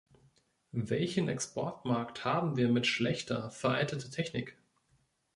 Welchen Exportmarkt haben wir mit schlechter, veralteter Technik?